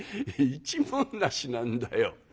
一文無しなんだよ」。